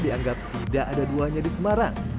tidak ada dua duanya di semarang